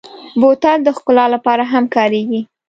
بوتل د ښکلا لپاره هم کارېږي.